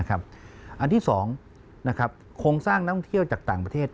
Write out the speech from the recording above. อันที่๒โครงสร้างนักท่องเที่ยวจากต่างประเทศ